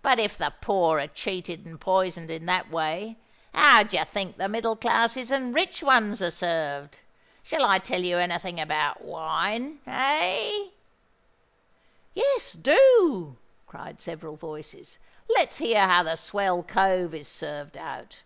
But if the poor are cheated and poisoned in that way, how do you think the middle classes and rich ones are served! Shall I tell you any thing about wine—eh?" "Yes—do," cried several voices. "Let's hear how the swell cove is served out."